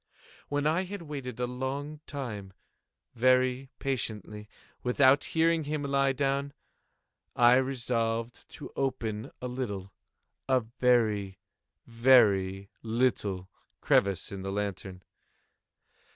When I had waited a long time, very patiently, without hearing him lie down, I resolved to open a little—a very, very little crevice in the lantern.